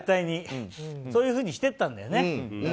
そういうふうにしてったんだよね。